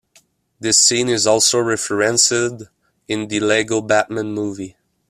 This scene is also referenced in the The Lego Batman Movie.